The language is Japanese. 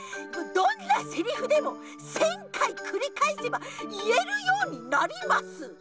どんなセリフでも１，０００かいくりかえせばいえるようになります！